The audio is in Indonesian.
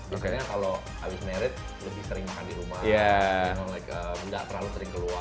makanya kalau habis merit lebih sering makan di rumah nggak terlalu sering keluar